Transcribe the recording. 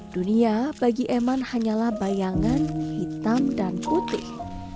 dunia bagi eman hanyalah bayangan hitam dan putih